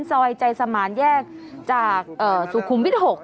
สอยใจสมาร์นแยกจากสุขุมพิษ๖